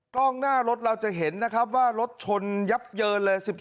กล้องหน้ารถเราจะเห็นนะครับว่ารถชนยับเยินเลย